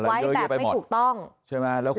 เก็บไว้แต่ไม่ถูกต้อง